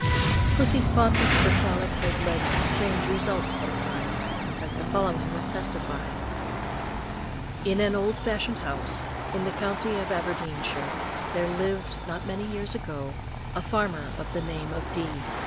Pussy's fondness for frolic has led to strange results sometimes, as the following will testify: In an old fashioned house, in an old fashioned parish, in the county of Aberdeenshire, there lived, not many years ago, a farmer of the name of D